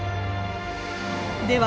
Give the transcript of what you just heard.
では